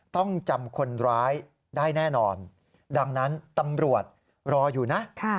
ต้องจำคนร้ายได้แน่นอนดังนั้นตำรวจรออยู่นะ